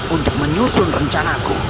untuk menyusun rencanaku